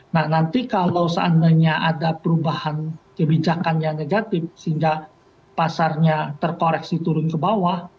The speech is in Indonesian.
nah nanti kalau seandainya ada perubahan kebijakan yang negatif sehingga pasarnya terkoreksi turun ke bawah